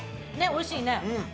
おいしいね。